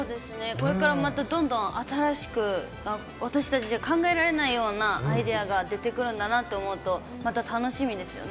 これからまたどんどん新しく、私たちじゃ考えられないようなアイデアが出てくるんだなと思うと、また楽しみですよね。